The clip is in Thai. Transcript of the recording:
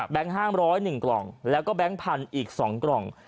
แบงค์๕๐๑กล่องแล้วก็แบงค์๑๐๐๐อีก๒กล่อง